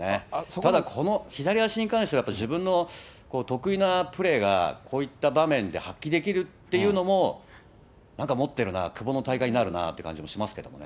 ただこの左足に関しては、自分の得意なプレーがこういった場面で発揮できるっていうのも、なんか持ってるなぁ、久保の大会になるなって感じがしますけどね。